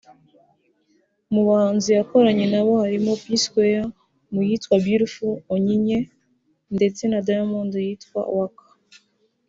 Mu bahanzi yakoranye na bo harimo P Square mu yitwa ’Beautiful Onyinye’ ndetse na Diamond mu yitwa ’Waka’